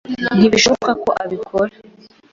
Ntibishoboka ko abikora.